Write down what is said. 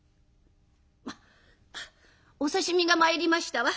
あっお刺身が参りましたわ。